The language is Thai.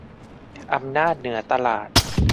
อำนาจเหนือตลาด